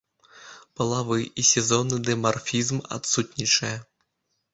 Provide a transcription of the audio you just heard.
Палавы і сезонны дымарфізм адсутнічае.